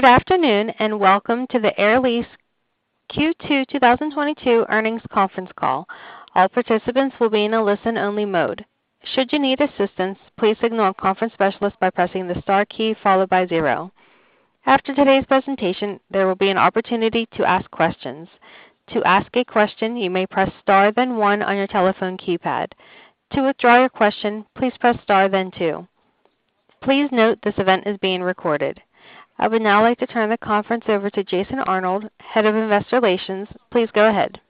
Good afternoon, and welcome to the Air Lease Q2 2022 earnings conference call. All participants will be in a listen-only mode. Should you need assistance, please signal a conference specialist by pressing the star key followed by zero. After today's presentation, there will be an opportunity to ask questions. To ask a question, you may press star then one on your telephone keypad. To withdraw your question, please press star then two. Please note this event is being recorded. I would now like to turn the conference over to Jason Arnold, Head of Investor Relations. Please go ahead.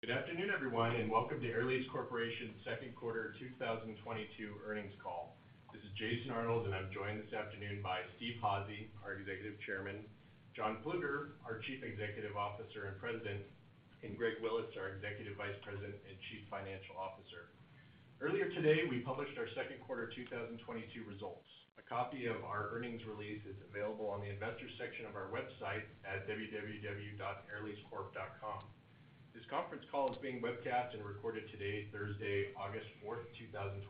Good afternoon, everyone, and welcome to Air Lease Corporation's second quarter 2022 earnings call. This is Jason Arnold, and I'm joined this afternoon by Steve Házy, our Executive Chairman, John Plueger, our Chief Executive Officer and President, and Greg Willis, our Executive Vice President and Chief Financial Officer. Earlier today, we published our second quarter 2022 results. A copy of our earnings release is available on the Investors section of our website at www.airleasecorp.com. This conference call is being webcast and recorded today, Thursday, August fourth, 2022,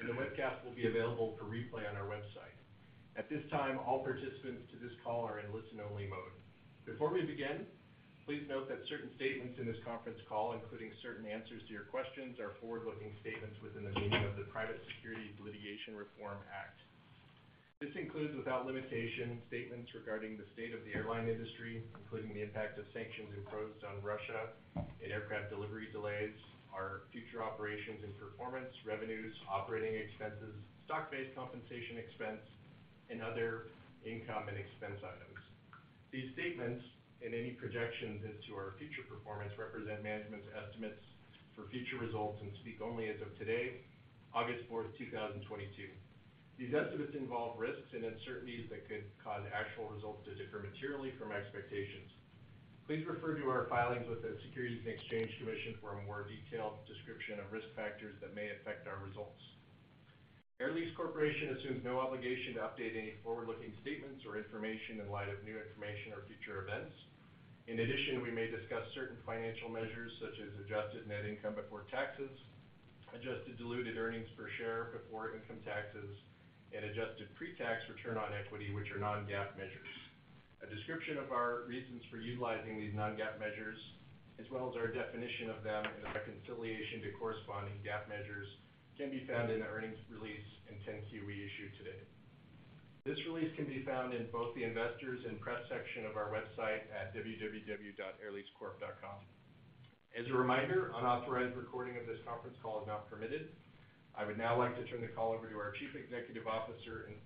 and the webcast will be available for replay on our website. At this time, all participants to this call are in listen-only mode. Before we begin, please note that certain statements in this conference call, including certain answers to your questions, are forward-looking statements within the meaning of the Private Securities Litigation Reform Act. This includes, without limitation, statements regarding the state of the airline industry, including the impact of sanctions imposed on Russia and aircraft delivery delays, our future operations and performance, revenues, operating expenses, stock-based compensation expense, and other income and expense items. These statements and any projections into our future performance represent management's estimates for future results and speak only as of today, August fourth, 2022. These estimates involve risks and uncertainties that could cause actual results to differ materially from expectations. Please refer to our filings with the Securities and Exchange Commission for a more detailed description of risk factors that may affect our results. Air Lease Corporation assumes no obligation to update any forward-looking statements or information in light of new information or future events. In addition, we may discuss certain financial measures such as adjusted net income before taxes, adjusted diluted earnings per share before income taxes, and adjusted pre-tax return on equity, which are non-GAAP measures. A description of our reasons for utilizing these non-GAAP measures, as well as our definition of them and a reconciliation to corresponding GAAP measures, can be found in the earnings release in 10-Q we issued today. This release can be found in both the Investors and Press section of our website at www.airleasecorp.com. As a reminder, unauthorized recording of this conference call is not permitted. I would now like to turn the call over to our Chief Executive Officer and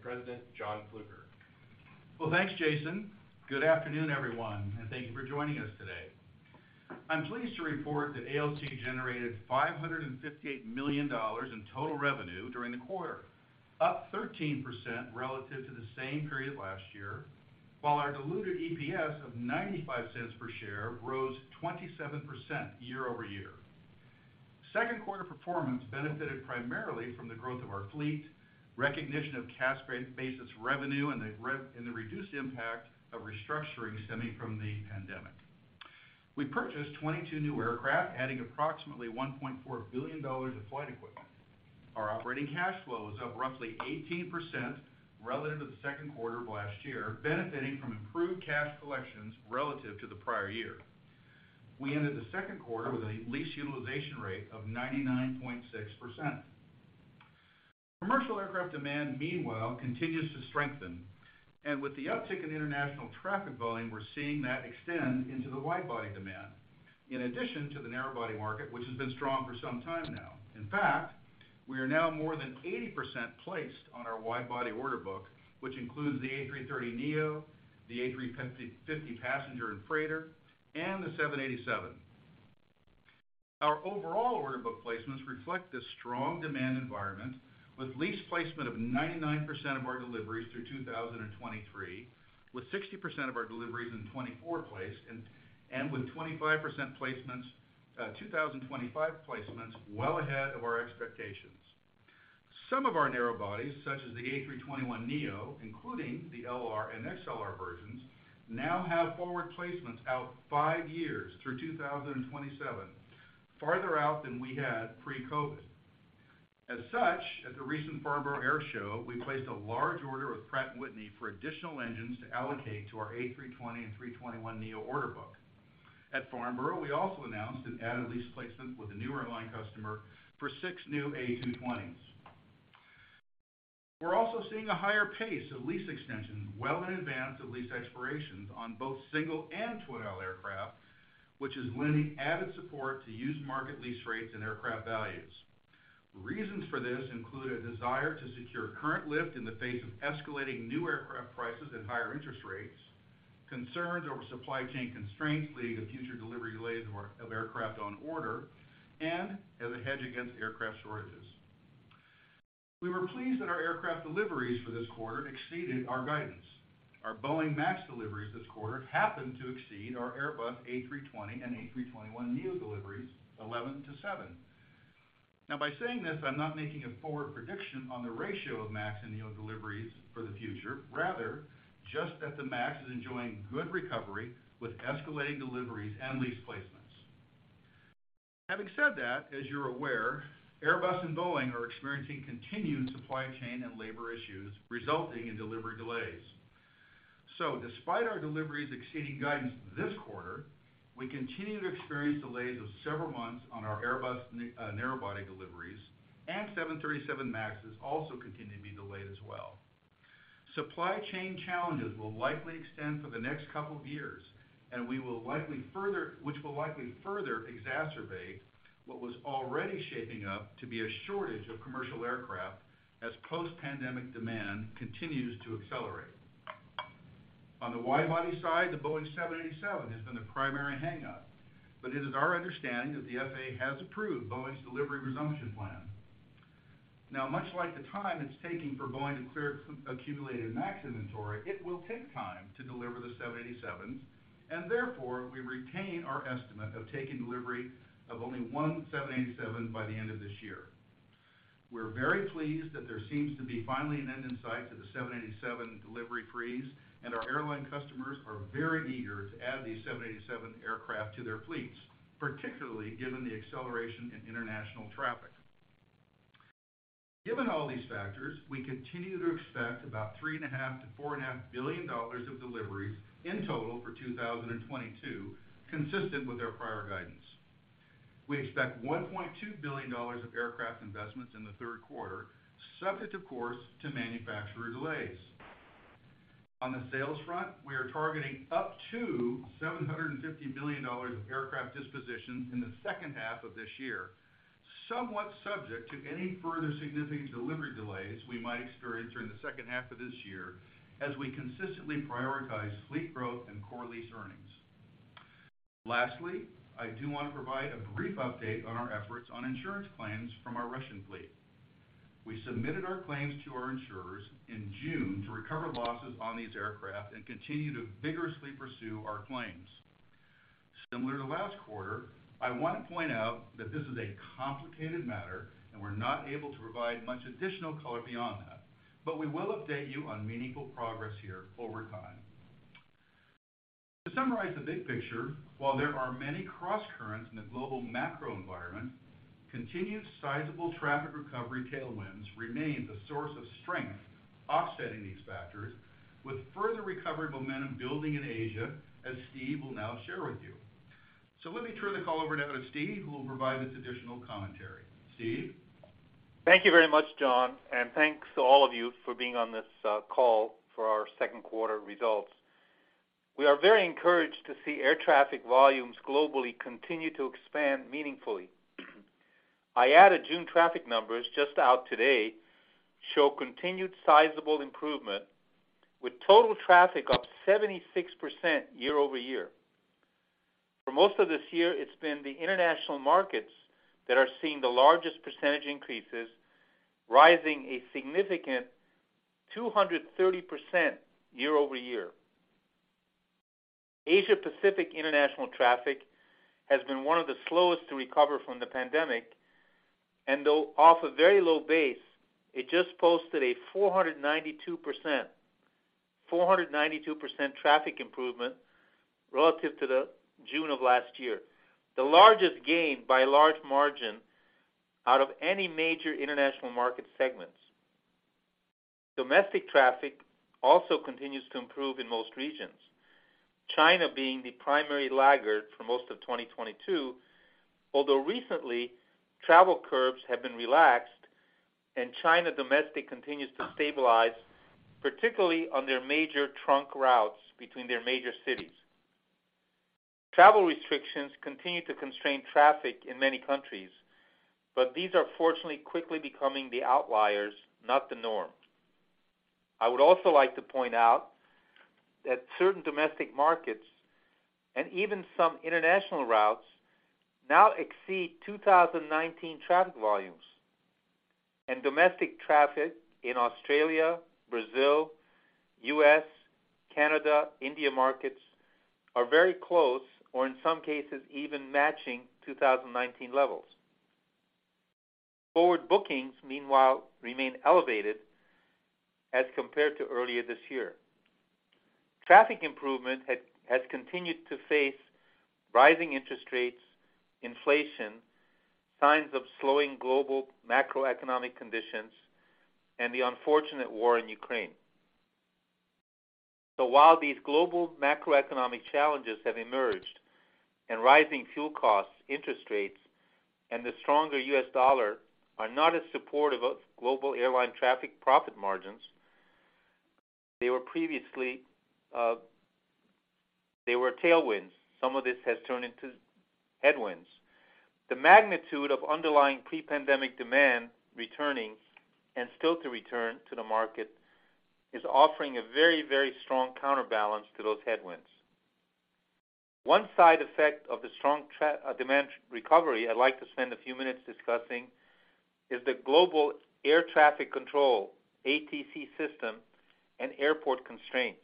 President, John Plueger. Well, thanks, Jason. Good afternoon, everyone, and thank you for joining us today. I'm pleased to report that ALC generated $558 million in total revenue during the quarter, up 13% relative to the same period last year, while our diluted EPS of $0.95 per share rose 27% year-over-year. Second quarter performance benefited primarily from the growth of our fleet, recognition of cash-based revenue, and the reduced impact of restructuring stemming from the pandemic. We purchased 22 new aircraft, adding approximately $1.4 billion of flight equipment. Our operating cash flow is up roughly 18% relative to the second quarter of last year, benefiting from improved cash collections relative to the prior year. We ended the second quarter with a lease utilization rate of 99.6%. Commercial aircraft demand, meanwhile, continues to strengthen, and with the uptick in international traffic volume, we're seeing that extend into the wide-body demand, in addition to the narrow-body market, which has been strong for some time now. In fact, we are now more than 80% placed on our wide-body order book, which includes the A330neo, the A350 passenger and freighter, and the 787. Our overall order book placements reflect this strong demand environment with lease placement of 99% of our deliveries through 2023, with 60% of our deliveries in 2024 placed, and with 25% placements, 2025 placements well ahead of our expectations. Some of our narrow bodies, such as the A321neo, including the LR and XLR versions, now have forward placements out five years through 2027, farther out than we had pre-COVID. As such, at the recent Farnborough Airshow, we placed a large order with Pratt & Whitney for additional engines to allocate to our A320 and A321neo order book. At Farnborough, we also announced an added lease placement with a new airline customer for six new A220s. We're also seeing a higher pace of lease extensions well in advance of lease expirations on both single and twin-aisle aircraft, which is lending added support to used market lease rates and aircraft values. Reasons for this include a desire to secure current lift in the face of escalating new aircraft prices and higher interest rates, concerns over supply chain constraints leading to future delivery delays of aircraft on order, and as a hedge against aircraft shortages. We were pleased that our aircraft deliveries for this quarter exceeded our guidance. Our Boeing 737 MAX deliveries this quarter happened to exceed our Airbus A320 and A321neo deliveries 11 to 7. Now, by saying this, I'm not making a forward prediction on the ratio of MAX and neo deliveries for the future, rather just that the MAX is enjoying good recovery with escalating deliveries and lease placements. Having said that, as you're aware, Airbus and Boeing are experiencing continued supply chain and labor issues resulting in delivery delays. Despite our deliveries exceeding guidance this quarter, we continue to experience delays of several months on our Airbus narrow body deliveries, and 737 MAXes also continue to be delayed as well. Supply chain challenges will likely extend for the next couple of years, which will likely further exacerbate what was already shaping up to be a shortage of commercial aircraft as post pandemic demand continues to accelerate. On the wide body side, the Boeing 787 has been the primary hangup, but it is our understanding that the FAA has approved Boeing's delivery resumption plan. Now, much like the time it's taking for Boeing to clear some accumulated MAX inventory, it will take time to deliver the 787s, and therefore, we retain our estimate of taking delivery of only one 787 by the end of this year. We're very pleased that there seems to be finally an end in sight to the 787 delivery freeze, and our airline customers are very eager to add these 787 aircraft to their fleets, particularly given the acceleration in international traffic. Given all these factors, we continue to expect about $3.5 billion-$4.5 billion of deliveries in total for 2022, consistent with our prior guidance. We expect $1.2 billion of aircraft investments in the third quarter, subject of course to manufacturer delays. On the sales front, we are targeting up to $750 million of aircraft dispositions in the second half of this year, somewhat subject to any further significant delivery delays we might experience during the second half of this year, as we consistently prioritize fleet growth and core lease earnings. Lastly, I do want to provide a brief update on our efforts on insurance claims from our Russian fleet. We submitted our claims to our insurers in June to recover losses on these aircraft and continue to vigorously pursue our claims. Similar to last quarter, I want to point out that this is a complicated matter, and we're not able to provide much additional color beyond that, but we will update you on meaningful progress here over time. To summarize the big picture, while there are many crosscurrents in the global macro environment, continued sizable traffic recovery tailwinds remain the source of strength offsetting these factors with further recovery momentum building in Asia, as Steve will now share with you. Let me turn the call over now to Steve, who will provide this additional commentary. Steve? Thank you very much, John, and thanks to all of you for being on this call for our second quarter results. We are very encouraged to see air traffic volumes globally continue to expand meaningfully. IATA June traffic numbers just out today show continued sizable improvement with total traffic up 76% year-over-year. For most of this year, it's been the international markets that are seeing the largest percentage increases, rising a significant 230% year-over-year. Asia-Pacific international traffic has been one of the slowest to recover from the pandemic, and though off a very low base, it just posted a 492% traffic improvement relative to the June of last year. The largest gain by a large margin out of any major international market segments. Domestic traffic also continues to improve in most regions, China being the primary laggard for most of 2022. Although recently, travel curbs have been relaxed and China domestic continues to stabilize, particularly on their major trunk routes between their major cities. Travel restrictions continue to constrain traffic in many countries, but these are fortunately quickly becoming the outliers, not the norm. I would also like to point out that certain domestic markets and even some international routes now exceed 2019 traffic volumes. Domestic traffic in Australia, Brazil, U.S., Canada, India markets are very close, or in some cases, even matching 2019 levels. Forward bookings, meanwhile, remain elevated as compared to earlier this year. Traffic improvement has continued to face rising interest rates, inflation, signs of slowing global macroeconomic conditions, and the unfortunate war in Ukraine. While these global macroeconomic challenges have emerged and rising fuel costs, interest rates, and the stronger U.S. dollar are not as supportive of global airline traffic profit margins, they were previously, they were tailwinds. Some of this has turned into headwinds. The magnitude of underlying pre-pandemic demand returning and still to return to the market is offering a very, very strong counterbalance to those headwinds. One side effect of the strong demand recovery I'd like to spend a few minutes discussing is the global air traffic control, ATC system and airport constraints.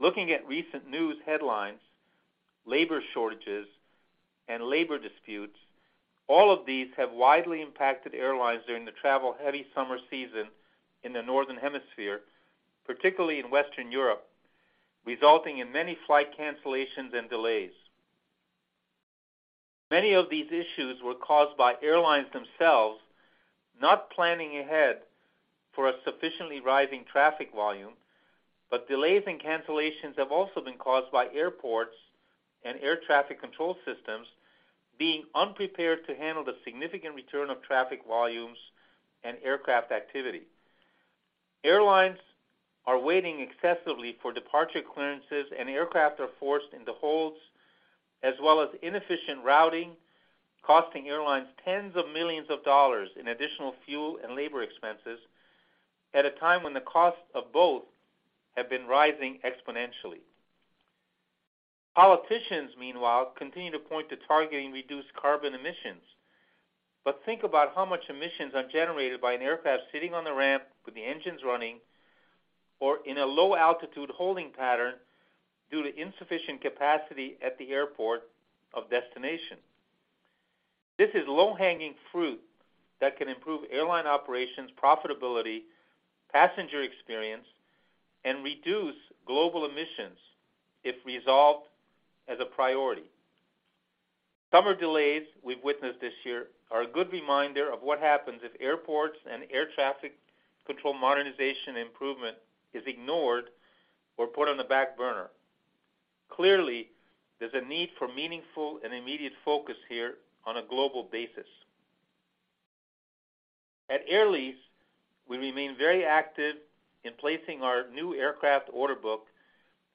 Looking at recent news headlines, labor shortages and labor disputes, all of these have widely impacted airlines during the travel heavy summer season in the Northern Hemisphere, particularly in Western Europe, resulting in many flight cancellations and delays. Many of these issues were caused by airlines themselves not planning ahead for a sufficiently rising traffic volume, but delays and cancellations have also been caused by airports and air traffic control systems being unprepared to handle the significant return of traffic volumes and aircraft activity. Airlines are waiting excessively for departure clearances, and aircraft are forced into holds, as well as inefficient routing, costing airlines tens of millions of dollars in additional fuel and labor expenses at a time when the cost of both have been rising exponentially. Politicians, meanwhile, continue to point to targeting reduced carbon emissions. Think about how much emissions are generated by an aircraft sitting on the ramp with the engines running, or in a low altitude holding pattern due to insufficient capacity at the airport of destination. This is low hanging fruit that can improve airline operations profitability, passenger experience, and reduce global emissions if resolved as a priority. Summer delays we've witnessed this year are a good reminder of what happens if airports and air traffic control modernization improvement is ignored or put on the back burner. Clearly, there's a need for meaningful and immediate focus here on a global basis. At Air Lease, we remain very active in placing our new aircraft order book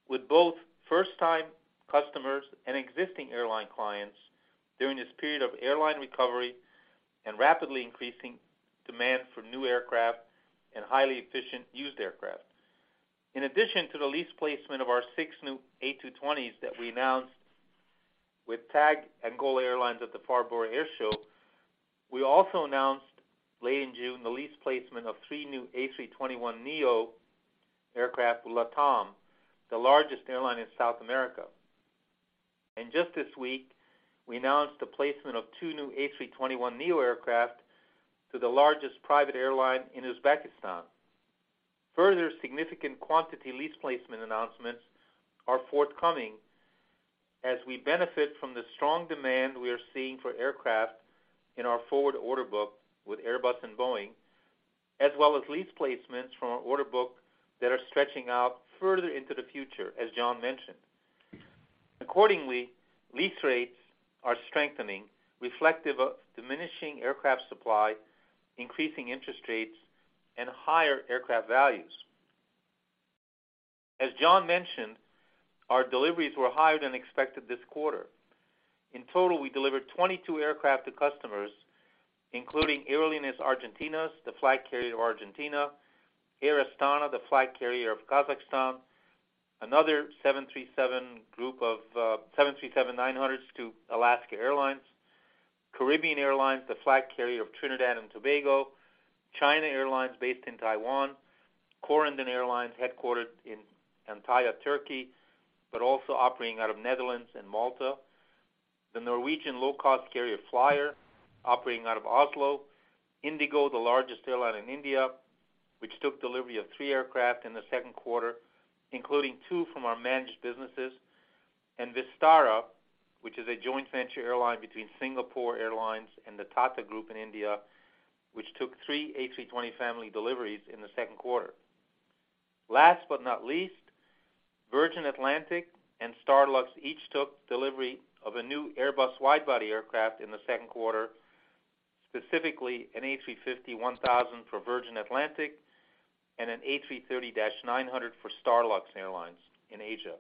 with both first time customers and existing airline clients during this period of airline recovery and rapidly increasing demand for new aircraft and highly efficient used aircraft. In addition to the lease placement of our six new A220s that we announced with TAAG and GOL Airlines at the Farnborough Airshow, we also announced late in June the lease placement of three new A321neo aircraft with LATAM, the largest airline in South America. Just this week, we announced the placement of two new A321neo aircraft to the largest private airline in Uzbekistan. Further significant quantity lease placement announcements are forthcoming as we benefit from the strong demand we are seeing for aircraft in our forward order book with Airbus and Boeing, as well as lease placements from our order book that are stretching out further into the future, as John mentioned. Accordingly, lease rates are strengthening, reflective of diminishing aircraft supply, increasing interest rates, and higher aircraft values. As John mentioned, our deliveries were higher than expected this quarter. In total, we delivered 22 aircraft to customers, including Aerolíneas Argentinas, the flag carrier of Argentina, Air Astana, the flag carrier of Kazakhstan, another 737-900 to Alaska Airlines, Caribbean Airlines, the flag carrier of Trinidad and Tobago, China Airlines based in Taiwan, Corendon Airlines, headquartered in Antalya, Turkey, but also operating out of the Netherlands and Malta, the Norwegian low-cost carrier, Flyr, operating out of Oslo, IndiGo, the largest airline in India, which took delivery of three aircraft in the second quarter, including two from our managed businesses, and Vistara, which is a joint venture airline between Singapore Airlines and the Tata Group in India, which took three A320 family deliveries in the second quarter. Last but not least, Virgin Atlantic and Starlux Airlines each took delivery of a new Airbus wide-body aircraft in the second quarter, specifically an A350-1000 for Virgin Atlantic and an A330-900 for Starlux Airlines in Asia.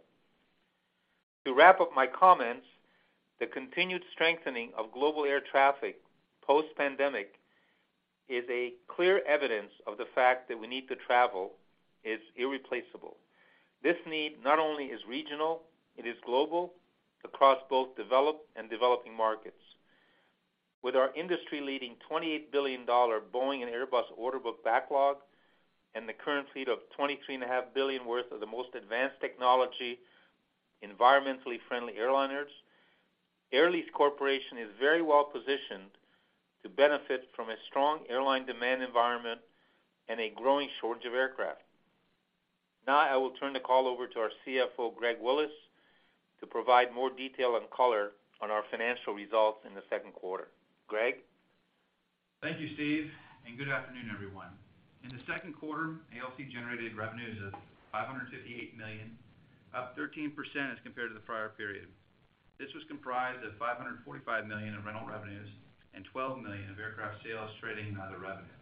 To wrap up my comments, the continued strengthening of global air traffic post-pandemic is a clear evidence of the fact that we need to travel is irreplaceable. This need not only is regional, it is global, across both developed and developing markets. With our industry-leading $28 billion Boeing and Airbus order book backlog and the current fleet of $23.5 billion worth of the most advanced technology, environmentally friendly airliners, Air Lease Corporation is very well positioned to benefit from a strong airline demand environment and a growing shortage of aircraft. Now I will turn the call over to our CFO, Greg Willis, to provide more detail and color on our financial results in the second quarter. Greg? Thank you, Steve, and good afternoon, everyone. In the second quarter, ALC generated revenues of $558 million, up 13% as compared to the prior period. This was comprised of $545 million in rental revenues and $12 million of aircraft sales, trading, and other revenue.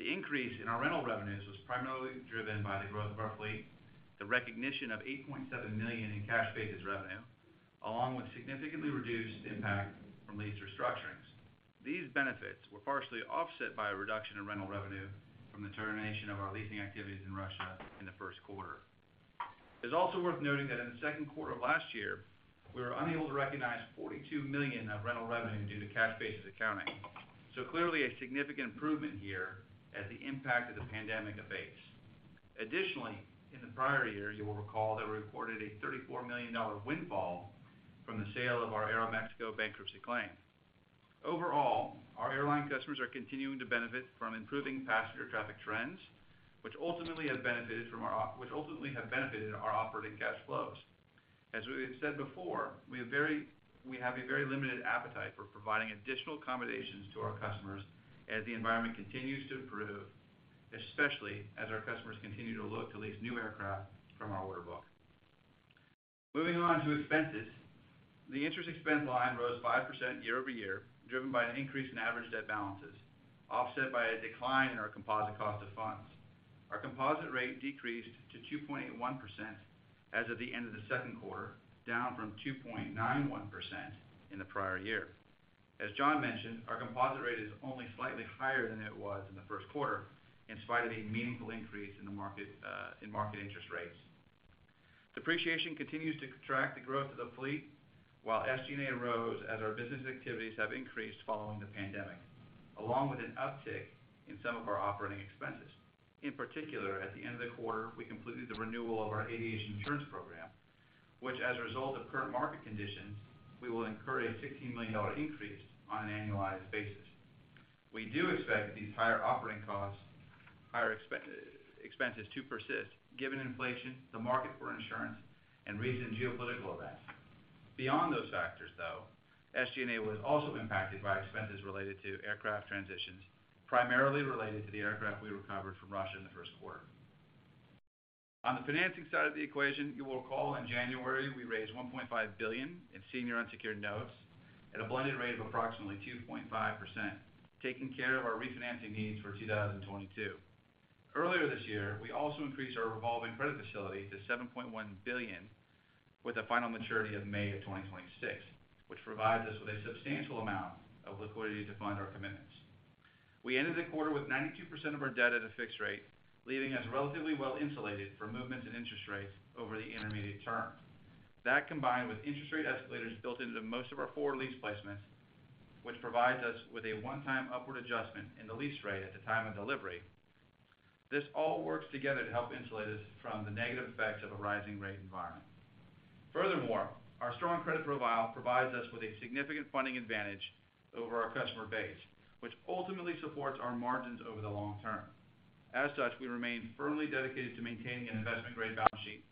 The increase in our rental revenues was primarily driven by the growth of our fleet, the recognition of $8.7 million in cash basis revenue, along with significantly reduced impact from lease restructurings. These benefits were partially offset by a reduction in rental revenue from the termination of our leasing activities in Russia in the first quarter. It's also worth noting that in the second quarter of last year, we were unable to recognize $42 million of rental revenue due to cash basis accounting. Clearly a significant improvement here as the impact of the pandemic abates. Additionally, in the prior year, you will recall that we recorded a $34 million windfall from the sale of our Aeroméxico bankruptcy claim. Overall, our airline customers are continuing to benefit from improving passenger traffic trends, which ultimately have benefited our operating cash flows. As we have said before, we have a very limited appetite for providing additional accommodations to our customers as the environment continues to improve, especially as our customers continue to look to lease new aircraft from our order book. Moving on to expenses. The interest expense line rose 5% year-over-year, driven by an increase in average debt balances, offset by a decline in our composite cost of funds. Our composite rate decreased to 2.81% as of the end of the second quarter, down from 2.91% in the prior year. As John mentioned, our composite rate is only slightly higher than it was in the first quarter, in spite of a meaningful increase in the market, in market interest rates. Depreciation continues to contract the growth of the fleet, while SG&A rose as our business activities have increased following the pandemic, along with an uptick in some of our operating expenses. In particular, at the end of the quarter, we completed the renewal of our aviation insurance program, which as a result of current market conditions, we will incur a $15 million increase on an annualized basis. We do expect these higher operating costs, higher expenses to persist given inflation, the market for insurance, and recent geopolitical events. Beyond those factors, though, SG&A was also impacted by expenses related to aircraft transitions, primarily related to the aircraft we recovered from Russia in the first quarter. On the financing side of the equation, you will recall in January, we raised $1.5 billion in senior unsecured notes at a blended rate of approximately 2.5%, taking care of our refinancing needs for 2022. Earlier this year, we also increased our revolving credit facility to $7.1 billion with a final maturity of May of 2026, which provides us with a substantial amount of liquidity to fund our commitments. We ended the quarter with 92% of our debt at a fixed rate, leaving us relatively well insulated for movements in interest rates over the intermediate term. That combined with interest rate escalators built into most of our four lease placements, which provides us with a one-time upward adjustment in the lease rate at the time of delivery. This all works together to help insulate us from the negative effects of a rising rate environment. Furthermore, our strong credit profile provides us with a significant funding advantage over our customer base, which ultimately supports our margins over the long term. As such, we remain firmly dedicated to maintaining an investment-grade balance sheet,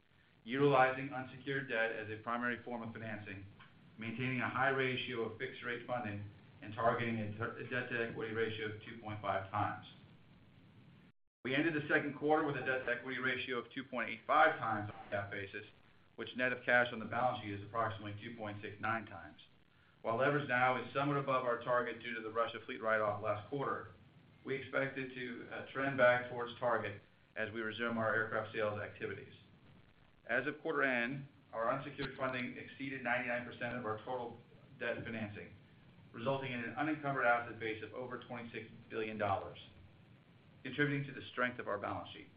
utilizing unsecured debt as a primary form of financing, maintaining a high ratio of fixed-rate funding, and targeting a debt-to-equity ratio of 2.5 times. We ended the second quarter with a debt-to-equity ratio of 2.85 times on that basis, which net of cash on the balance sheet is approximately 2.69 times. While leverage now is somewhat above our target due to the Russia fleet write-off last quarter, we expect it to trend back towards target as we resume our aircraft sales activities. As of quarter end, our unsecured funding exceeded 99% of our total debt financing, resulting in an unencumbered asset base of over $26 billion, contributing to the strength of our balance sheet.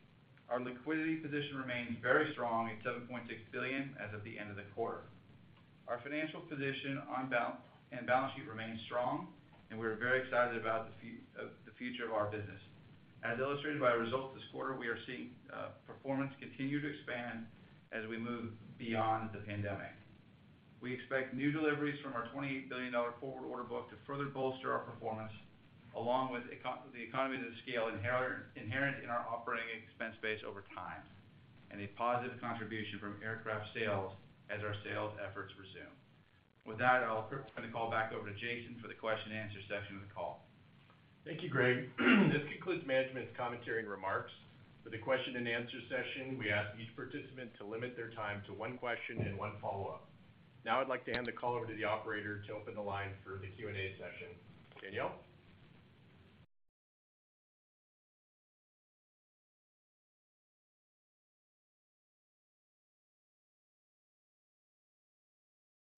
Our liquidity position remains very strong at $7.6 billion as of the end of the quarter. Our financial position on balance sheet remains strong, and we're very excited about the future of our business. As illustrated by results this quarter, we are seeing performance continue to expand as we move beyond the pandemic. We expect new deliveries from our $28 billion forward order book to further bolster our performance, along with the economies of scale inherent in our operating expense base over time, and a positive contribution from aircraft sales as our sales efforts resume. With that, I'll turn the call back over to Jason for the question-and-answer section of the call. Thank you, Greg. This concludes management's commentary remarks. For the question-and-answer session, we ask each participant to limit their time to one question and one follow-up. Now I'd like to hand the call over to the operator to open the line for the Q&A session. Danielle?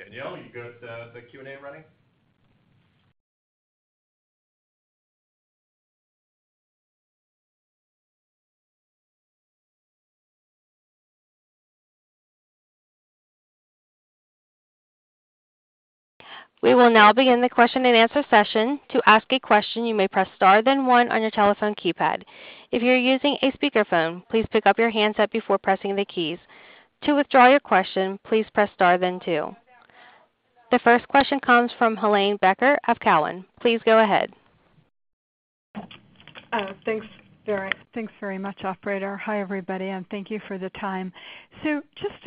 Danielle, you good with the Q&A running? We will now begin the question-and-answer session. To ask a question, you may press star, then one on your telephone keypad. If you're using a speakerphone, please pick up your handset before pressing the keys. To withdraw your question, please press star then two. The first question comes from Helane Becker of Cowen. Please go ahead. Thanks very much, operator. Hi, everybody, and thank you for the time. Just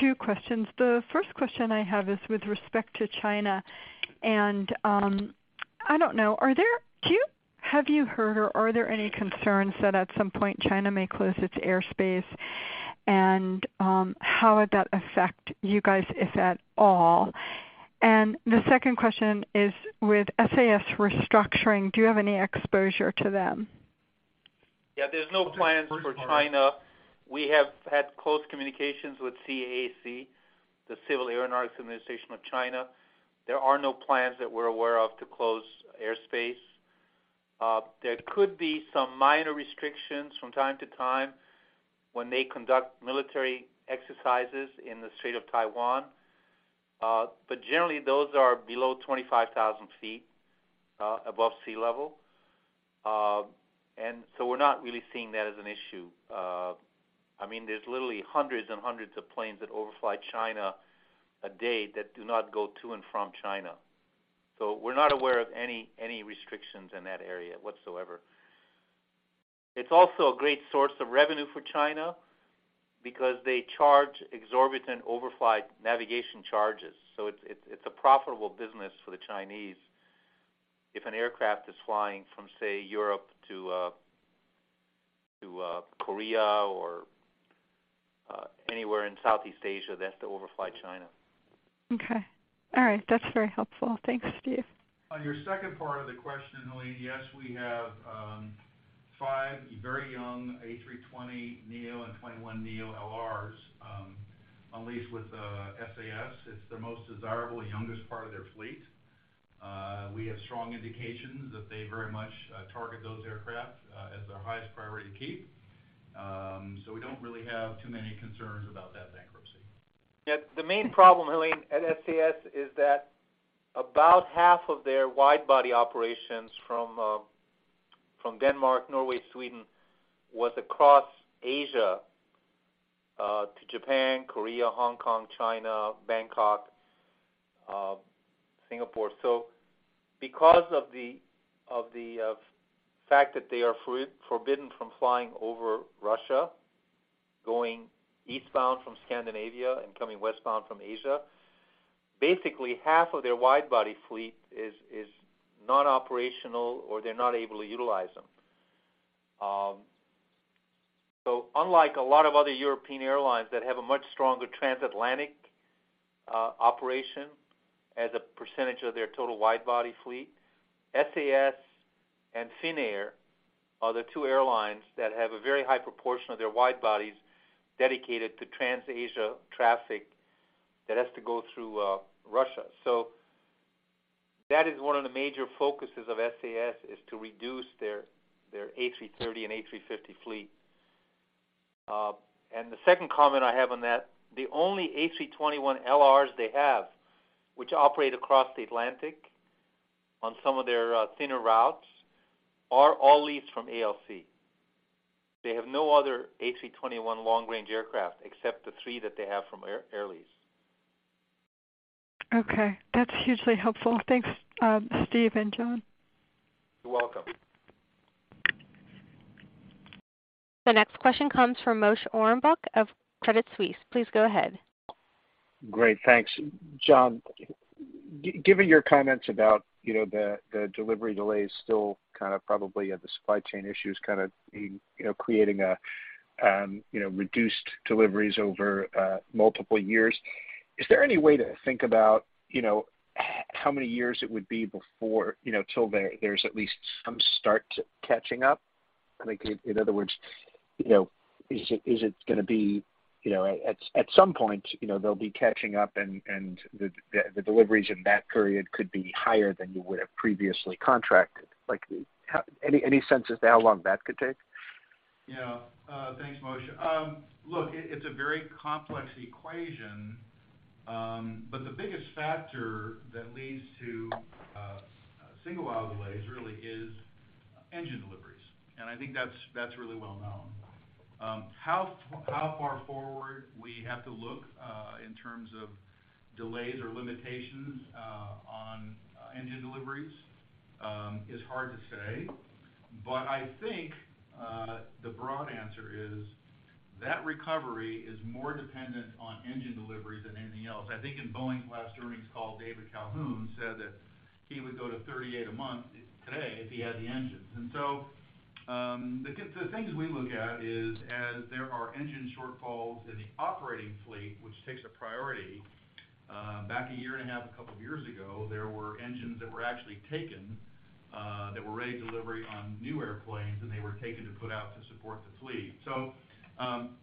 two questions. The first question I have is with respect to China, and I don't know. Have you heard or are there any concerns that at some point China may close its airspace? How would that affect you guys, if at all? The second question is, with SAS restructuring, do you have any exposure to them? Yeah. There's no plans for China. We have had close communications with CAAC, the Civil Aviation Administration of China. There are no plans that we're aware of to close airspace. There could be some minor restrictions from time to time when they conduct military exercises in the Taiwan Strait. But generally, those are below 25,000 feet above sea level. We're not really seeing that as an issue. I mean, there's literally hundreds and hundreds of planes that overfly China a day that do not go to and from China. We're not aware of any restrictions in that area whatsoever. It's also a great source of revenue for China because they charge exorbitant overfly navigation charges. It's a profitable business for the Chinese. If an aircraft is flying from, say, Europe to Korea or anywhere in Southeast Asia, they have to overfly China. Okay. All right. That's very helpful. Thanks, Steve. On your second part of the question, Helane, yes, we have five very young A320neo and 21 neo LRs on lease with SAS. It's their most desirable, youngest part of their fleet. We have strong indications that they very much target those aircraft as their highest priority to keep. We don't really have too many concerns about that bankruptcy. Yeah, the main problem, Helane, at SAS is that about half of their wide-body operations from Denmark, Norway, Sweden, was across Asia to Japan, Korea, Hong Kong, China, Bangkok, Singapore. Because of the fact that they are forbidden from flying over Russia, going eastbound from Scandinavia and coming westbound from Asia, basically half of their wide-body fleet is not operational, or they're not able to utilize them. Unlike a lot of other European airlines that have a much stronger transatlantic operation as a percentage of their total wide-body fleet, SAS and Finnair are the two airlines that have a very high proportion of their wide-bodies dedicated to trans-Asia traffic that has to go through Russia. That is one of the major focuses of SAS, is to reduce their A330 and A350 fleet. The second comment I have on that, the only A321LRs they have, which operate across the Atlantic on some of their thinner routes, are all leased from ALC. They have no other A321 long-range aircraft except the three that they have from Air Lease. Okay. That's hugely helpful. Thanks, Steve and John. You're welcome. The next question comes from Moshe Orenbuch of Credit Suisse. Please go ahead. Great. Thanks. John, giving your comments about, you know, the delivery delays still kind of probably at the supply chain issues, kind of, you know, creating reduced deliveries over multiple years, is there any way to think about, you know, how many years it would be before, you know, till there's at least some start to catching up? I think in other words, you know, is it gonna be, you know, at some point, you know, they'll be catching up and the deliveries in that period could be higher than you would have previously contracted. Like, how? Any sense as to how long that could take? Yeah. Thanks, Moshe. Look, it's a very complex equation, but the biggest factor that leads to single-aisle delays really is engine deliveries. I think that's really well known. How far forward we have to look in terms of delays or limitations on engine deliveries is hard to say. I think the broad answer is that recovery is more dependent on engine delivery than anything else. I think in Boeing's last earnings call, David Calhoun said that he would go to 38 a month today if he had the engines. The things we look at is as there are engine shortfalls in the operating fleet, which takes a priority, back a year and a half, a couple of years ago, there were engines that were actually taken that were ready for delivery on new airplanes, and they were taken to put on to support the fleet.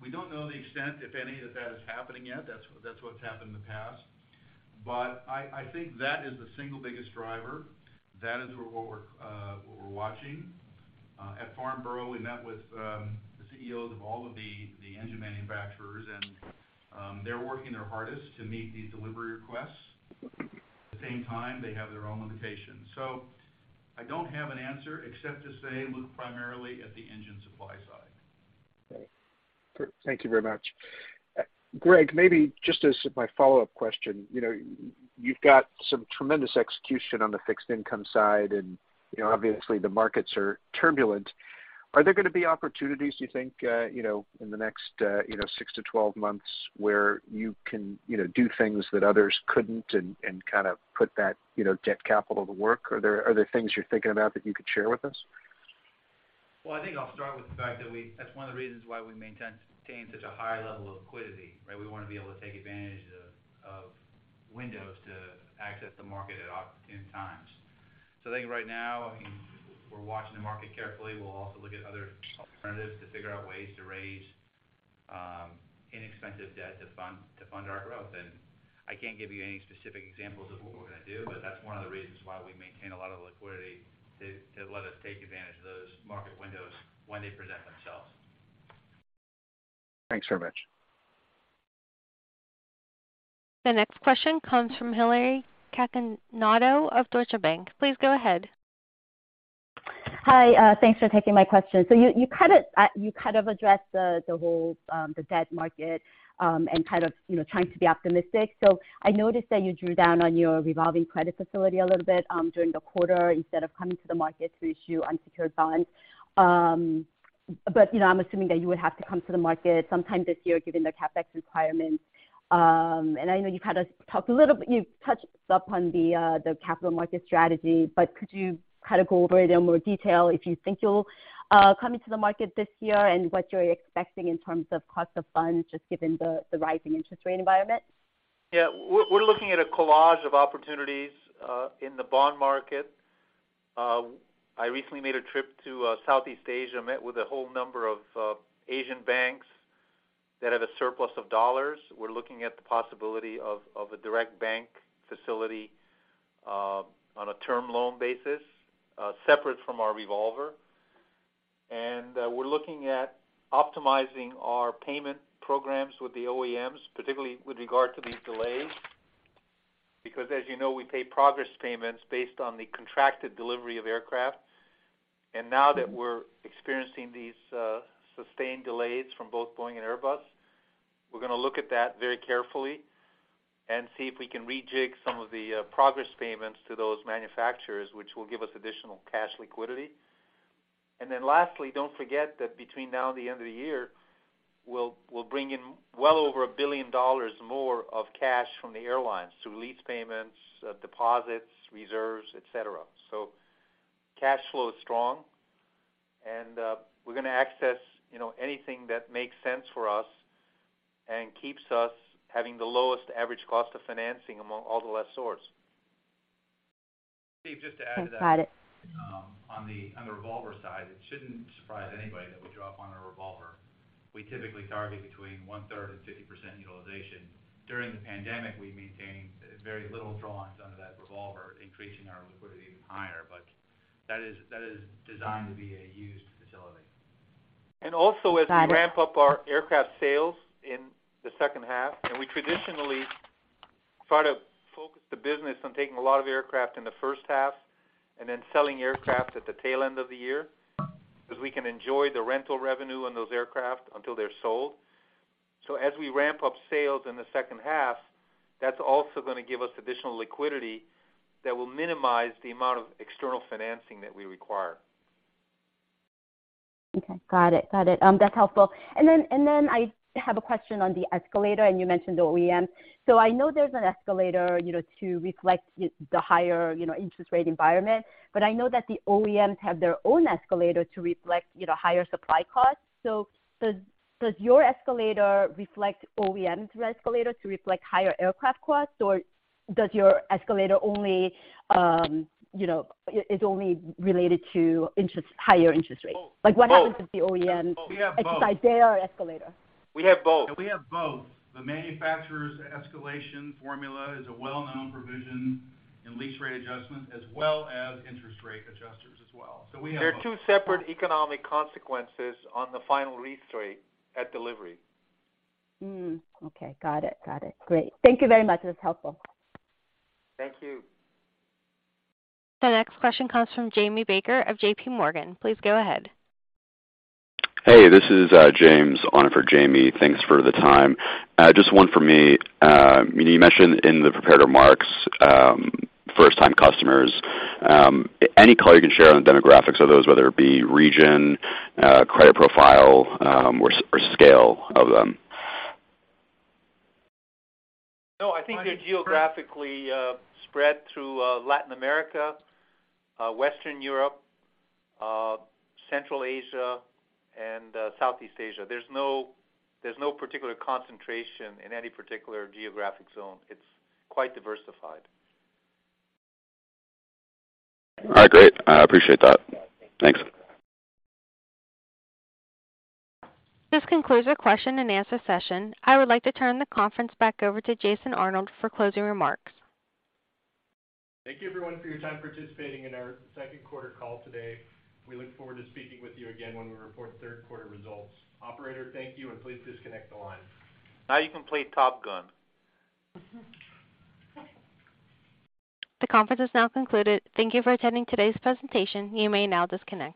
We don't know the extent, if any, of that is happening yet. That's what's happened in the past. I think that is the single biggest driver. That is what we're watching. At Farnborough, we met with the CEOs of all the engine manufacturers, and they're working their hardest to meet these delivery requests. At the same time, they have their own limitations. I don't have an answer except to say look primarily at the engine supply side. Okay. Thank you very much. Greg, maybe just as my follow-up question, you know, you've got some tremendous execution on the fixed income side and, you know, obviously the markets are turbulent. Are there gonna be opportunities, you think, you know, in the next, you know, 6-12 months where you can, you know, do things that others couldn't and kind of put that, you know, debt capital to work? Are there things you're thinking about that you could share with us? Well, I think I'll start with the fact that that's one of the reasons why we maintain such a high level of liquidity, right? We wanna be able to take advantage of windows to access the market at opportune times. I think right now, I mean, we're watching the market carefully. We'll also look at other alternatives to figure out ways to raise inexpensive debt to fund our growth. I can't give you any specific examples of what we're gonna do, but that's one of the reasons why we maintain a lot of liquidity to let us take advantage of those market windows when they present themselves. Thanks very much. The next question comes from Hillary Cacanando of Deutsche Bank. Please go ahead. Hi, thanks for taking my question. You kind of addressed the whole debt market and kind of, you know, trying to be optimistic. I noticed that you drew down on your revolving credit facility a little bit during the quarter instead of coming to the market to issue unsecured bonds. You know, I'm assuming that you would have to come to the market sometime this year given the CapEx requirements. I know you've touched upon the capital market strategy, but could you kind of go over it in more detail if you think you'll come into the market this year and what you're expecting in terms of cost of funds just given the rising interest rate environment? Yeah. We're looking at a collage of opportunities in the bond market. I recently made a trip to Southeast Asia, met with a whole number of Asian banks that have a surplus of dollars. We're looking at the possibility of a direct bank facility on a term loan basis separate from our revolver. We're looking at optimizing our payment programs with the OEMs, particularly with regard to these delays. Because as you know, we pay progress payments based on the contracted delivery of aircraft. Now that we're experiencing these sustained delays from both Boeing and Airbus, we're gonna look at that very carefully and see if we can rejig some of the progress payments to those manufacturers, which will give us additional cash liquidity. Lastly, don't forget that between now and the end of the year, we'll bring in well over $1 billion more of cash from the airlines through lease payments, deposits, reserves, et cetera. Cash flow is strong, and we're gonna access, you know, anything that makes sense for us and keeps us having the lowest average cost of financing among all the lessors. Steve, just to add to that. Okay, got it. On the revolver side, it shouldn't surprise anybody that we draw down on a revolver. We typically target between one-third and 50% utilization. During the pandemic, we maintained very little drawings under that revolver, increasing our liquidity even higher, but that is designed to be a used facility. And also- Got it. As we ramp up our aircraft sales in the second half, and we traditionally try to focus the business on taking a lot of aircraft in the first half and then selling aircraft at the tail end of the year, because we can enjoy the rental revenue on those aircraft until they're sold. As we ramp up sales in the second half, that's also gonna give us additional liquidity that will minimize the amount of external financing that we require. Okay. Got it. That's helpful. I have a question on the escalator, and you mentioned the OEM. I know there's an escalator, you know, to reflect the higher, you know, interest rate environment, but I know that the OEMs have their own escalator to reflect, you know, higher supply costs. Does your escalator reflect OEM's escalator to reflect higher aircraft costs? Or does your escalator only, you know, is only related to interest, higher interest rates? Both. Like what happens with the OEM. We have both. Is it their escalator? We have both. We have both. The manufacturer's escalation formula is a well-known provision in lease rate adjustment as well as interest rate adjusters as well. We have both. There are two separate economic consequences on the final lease rate at delivery. Okay. Got it. Great. Thank you very much. This is helpful. Thank you. The next question comes from Jamie Baker of JPMorgan. Please go ahead. Hey, this is James on for Jamie. Thanks for the time. Just one for me. You mentioned in the prepared remarks, first-time customers. Any color you can share on the demographics of those, whether it be region, credit profile, or scale of them? No, I think they're geographically spread through Latin America, Western Europe, Central Asia, and Southeast Asia. There's no particular concentration in any particular geographic zone. It's quite diversified. All right, great. I appreciate that. Thanks. This concludes the question and answer session. I would like to turn the conference back over to Jason Arnold for closing remarks. Thank you everyone for your time participating in our second quarter call today. We look forward to speaking with you again when we report third quarter results. Operator, thank you, and please disconnect the line. Now you can play Top Gun. The conference is now concluded. Thank you for attending today's presentation. You may now disconnect.